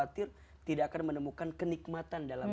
tidak akan menemukan kenikmatan